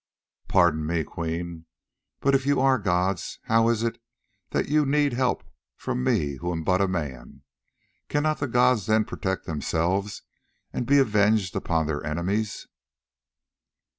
Pardon me, Queen, but if you are gods, how is it that you need help from me who am but a man? Cannot the gods then protect themselves and be avenged upon their enemies?"